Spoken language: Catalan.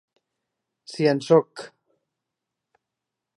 Si en sóc...